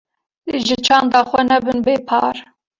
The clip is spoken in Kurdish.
Ji çanda xwe nebin bê par.